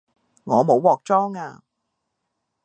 我冇鑊裝吖